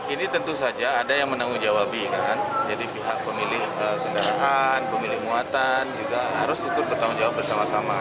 ini tentu saja ada yang menanggung jawabi kan jadi pihak pemilik kendaraan pemilih muatan juga harus ikut bertanggung jawab bersama sama